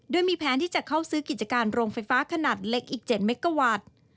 โดยมีแผนที่จะเข้าซื้อกิจการโรงไฟฟ้าขนาดเล็กอีก๗เมกาวัตต์